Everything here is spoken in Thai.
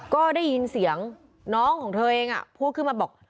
ก็ได้ยินเสียงน้องของเธอเองพูดขึ้นมาบอก